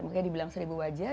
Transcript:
makanya dibilang seribu wajah